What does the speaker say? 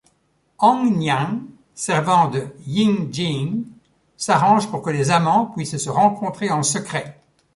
Hongniang, servante de Yingying, s'arrange pour que les amants puissent se rencontrer en secret.